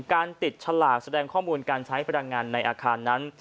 การติดฉลากแสดงข้อมูลการใช้พลังงานในอาคารนั้น